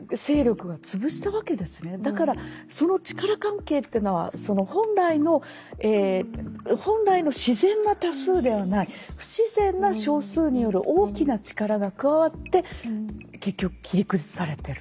だからその力関係っていうのは本来の自然な多数ではない不自然な少数による大きな力が加わって結局切り崩されてる。